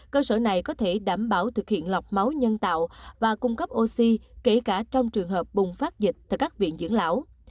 cơ sở này có thể đảm bảo thực hiện lọc máu nhân tạo và cung cấp oxy kể cả trong trường hợp bùng phát dịch tại các viện dưỡng lão